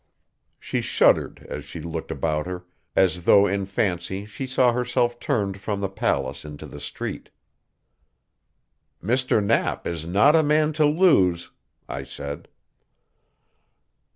She shuddered as she looked about her, as though in fancy she saw herself turned from the palace into the street. "Mr. Knapp is not a man to lose," I said.